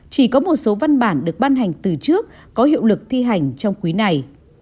chỉ có một số văn bản được ban hành từ trước có hiệu lực thi hành trong quý này